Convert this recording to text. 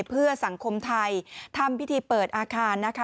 เพื่อสังคมไทยทำพิธีเปิดอาคารนะคะ